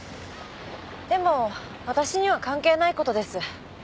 でも私には関係ない事です。